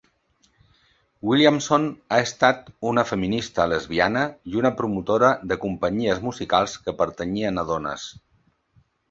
Williamson ha estat una feminista lesbiana i una promotora de companyies musicals que pertanyien a dones.